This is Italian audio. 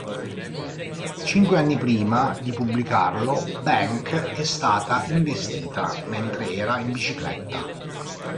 Cinque anni prima di pubblicarlo, Bank è stata investita mentre era in bicicletta.